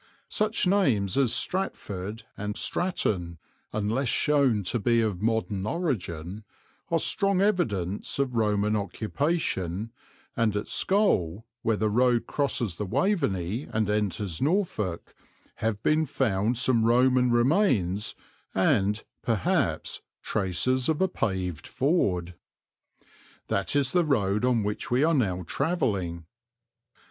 Such names as Stratford and Stratton, unless shown to be of modern origin, are strong evidence of Roman occupation, and at Scole, where the road crosses the Waveney and enters Norfolk, have been found some Roman remains and, perhaps, traces of a paved ford. That is the road on which we are now travelling.